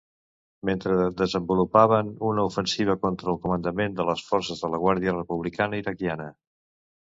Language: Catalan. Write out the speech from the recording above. Mentre desenvolupaven una ofensiva contra el comandament de les forces de la guàrdia republicana iraquiana.